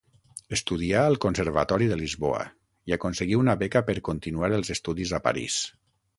Estudià al Conservatori de Lisboa i aconseguí una beca per continuar els estudis a París.